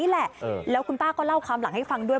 แหละแล้วคุณป้าก็เล่าความหลังให้ฟังด้วย